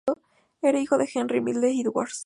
Era hijo de Henri Milne Edwards.